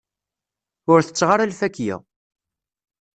Ur tetteɣ ara lfakya.